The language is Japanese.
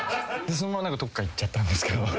そのままどっか行っちゃったんですけど。